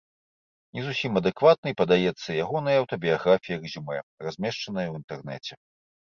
Не зусім адэкватнай падаецца і ягоная аўтабіяграфія-рэзюмэ, размешчаная ў інтэрнэце.